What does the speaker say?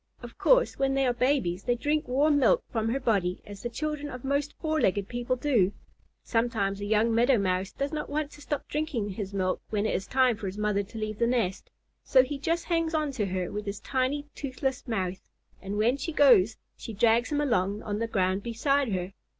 Of course, when they are babies, they drink warm milk from her body as the children of most four legged people do. Sometimes a young Meadow Mouse does not want to stop drinking his milk when it is time for his mother to leave the nest, so he just hangs on to her with his tiny, toothless mouth, and when she goes she drags him along on the ground beside her.